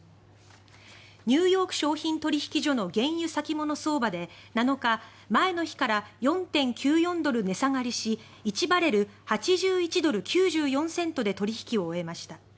ニューヨーク商品取引所の原油先物相場で７日前の日から４．９４ドル値下がりし１バレル＝８１ドル９４セントで取引を終えました。